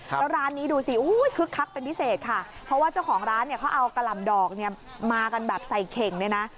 แล้วร้านนี้ดูสิคึกคักเป็นพิเศษค่ะเพราะว่าเจ้าของร้านเนี่ยเขาเอากะหล่ำดอกเนี่ยมากันแบบใส่เข่งเลยนะ